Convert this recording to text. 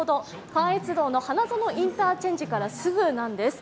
関越道の花園インターチェンジからすぐなんです。